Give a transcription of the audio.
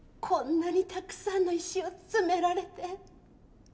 こんなにたくさんの石を詰められて。